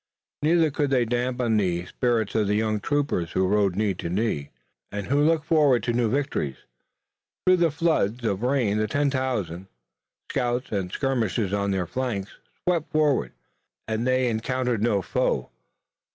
Neither could they dampen the spirits of the young troopers who rode knee to knee, and who looked forward to new victories. Through the floods of rain the ten thousand, scouts and skirmishers on their flanks, swept southward, and they encountered no foe.